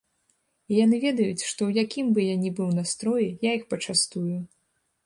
І яны ведаюць, што ў якім бы я ні быў настроі, я іх пачастую.